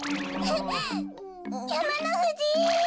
やまのふじ！